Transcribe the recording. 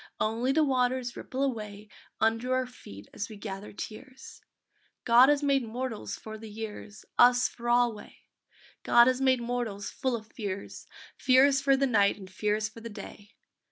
Only the waters ripple away Under our feet as we gather tears. God has made mortals for the years, Us for alway! God has made mortals full of fears, Fears for the night and fears for the day.